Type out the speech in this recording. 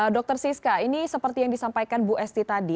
dr siska ini seperti yang disampaikan bu esti tadi